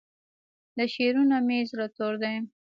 له شعرونو مې زړه تور دی